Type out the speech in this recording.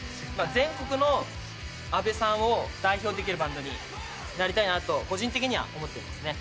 全国の阿部さんを代表できるバンドになりたいなと個人的に思ってます。